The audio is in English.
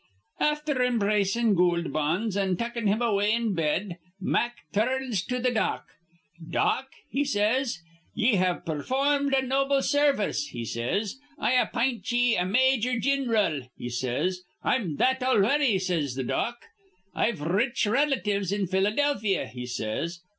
"Afther embracin' Goold Bonds an' tuckin' him away in bed, Mack tur rns to th' Dock. 'Dock,' he says, 'ye have performed a noble sarvice,' he says. 'I appint ye a major gin'ral,' he says. 'I'm that already,' says th' Dock. 'I've r rich relatives in Philadelphia,' he says.